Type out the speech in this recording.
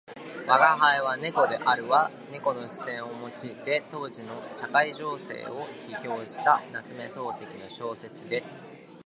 「吾輩は猫である」は猫の視線を用いて当時の社会情勢を批評した夏目漱石の小説です。